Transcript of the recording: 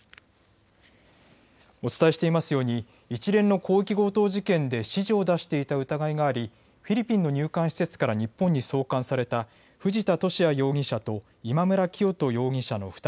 お伝えしていますように一連の広域強盗事件で指示を出していた疑いがありフィリピンの入管施設から日本に送還された藤田聖也容疑者と今村磨人